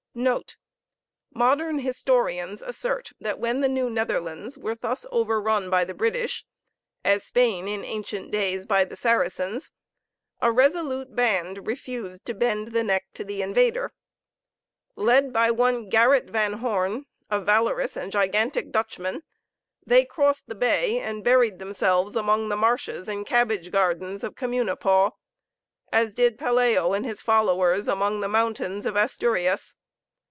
NOTE. Modern historians assert that when the New Netherlands were thus overrun by the British, as Spain in ancient days by the Saracens, a resolute band refused to bend the neck to the invader. Led by one Garret Van Horne, a valorous and gigantic Dutchman, they crossed the bay and buried themselves among the marshes and cabbage gardens of Communipaw, as did Pelayo and his followers among the mountains of Asturias.